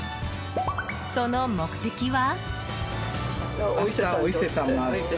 その目的は。